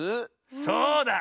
そうだ！